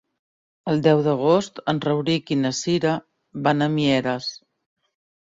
El deu d'agost en Rauric i na Cira van a Mieres.